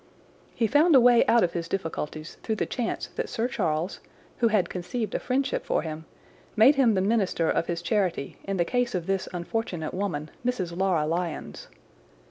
"He found a way out of his difficulties through the chance that Sir Charles, who had conceived a friendship for him, made him the minister of his charity in the case of this unfortunate woman, Mrs. Laura Lyons.